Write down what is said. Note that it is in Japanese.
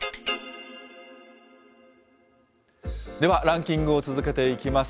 ではランキングを続けていきます。